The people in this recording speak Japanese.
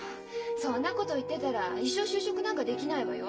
そんなこと言ってたら一生就職なんかできないわよ。